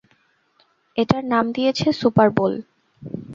এটার নাম দিয়েছি সুপার বোল।